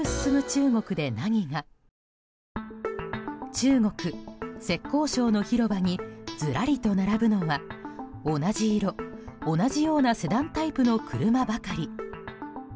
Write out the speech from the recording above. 中国・浙江省の広場にずらりと並ぶのは同じ色、同じようなセダンタイプの車ばかり。